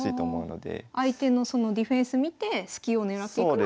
相手のそのディフェンス見てスキを狙っていくのが。